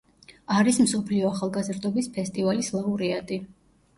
არის მსოფლიო ახალგაზრდობის ფესტივალის ლაურეატი.